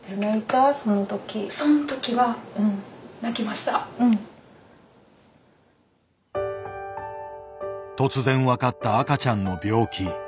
その時は突然分かった赤ちゃんの病気。